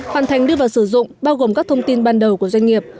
hoàn thành đưa vào sử dụng bao gồm các thông tin ban đầu của doanh nghiệp